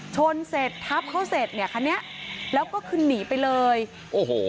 ชนเสร็จทับเขาเสร็จเนี่ยคันนี้แล้วก็คือหนีไปเลยโอ้โห